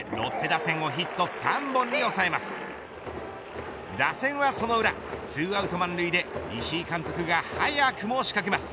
打線はその裏、２アウト満塁で石井監督が早くも仕掛けます。